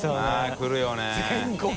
来るよね。